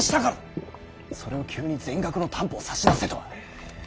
それを急に全額の担保を差し出せとは。